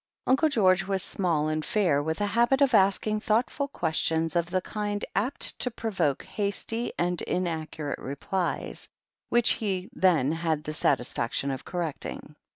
Uncle George was small and fair, with a habit of asking thoughtful questions of the kind apt to provoke hasty and inaccurate replies, which he then had the satisfaction of correcting.